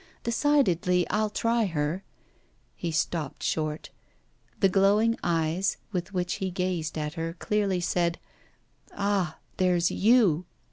Decidedly, I'll try her ' He stopped short. The glowing eyes with which he gazed at her clearly said: 'Ah! there's you!